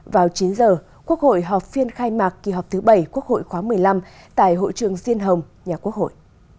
vào chín giờ quốc hội họp phiên khai mạc kỳ họp thứ bảy quốc hội khóa một mươi năm tại hội trường diên hồng nhà quốc hội